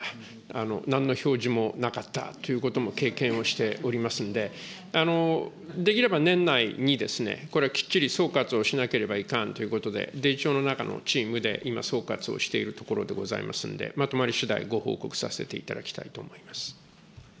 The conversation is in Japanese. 私自身、コロナに感染しましたが、なんの表示もなかったということも経験をしておりますんで、できれば年内にですね、これ、きっちり総括をしなければいかんということで、デジ庁の中のチームで今、総括をしているところでございますんで、まとまりしだい、ご報告させていただきたいと思います。